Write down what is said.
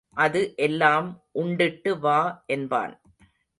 அது எல்லாம் உண்டிட்டு வா என்பான்.